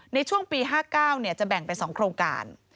ในช่วงปี๕๙จะแบ่งเป็น๒โครงการ